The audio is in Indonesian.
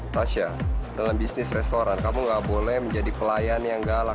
tasya dalam bisnis restoran kamu nggak boleh menjadi pelayan yang galak